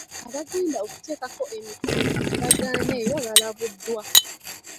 Abagenda okuteekako emikono ku ndagaano eyo balabuddwa.